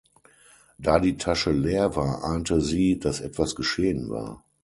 Da die Tasche leer war ahnte sie, dass etwas geschehen war.